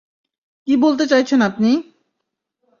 কী বলতে চাইছেন আপনি?